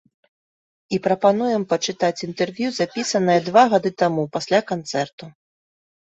І прапануем пачытаць інтэрв'ю запісанае два гады таму, пасля канцэрту.